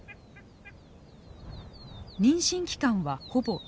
妊娠期間はほぼ１年。